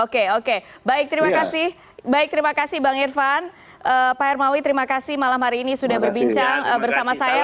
oke oke baik terima kasih baik terima kasih bang irfan pak hermawi terima kasih malam hari ini sudah berbincang bersama saya